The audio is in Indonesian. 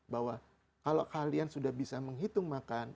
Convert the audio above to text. bahwa kalau kalian sudah bisa menghitung makan